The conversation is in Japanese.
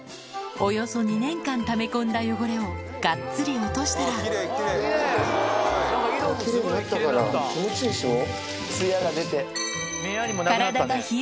およそ２年間ため込んだ汚れをがっつり落としたらおぉ。